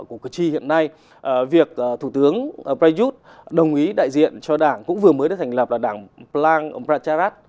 của cử tri hiện nay việc thủ tướng prayuth đồng ý đại diện cho đảng cũng vừa mới được thành lập là đảng plang o pracharat